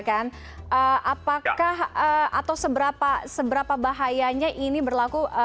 apakah atau seberapa bahayanya ini berlaku